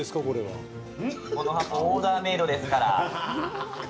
この箱、オーダーメードですから。